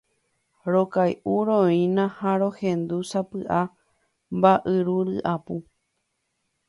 Rokay’uroína ha rohendu sapy’a mba’yru ryapu.